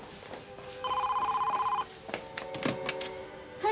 はい。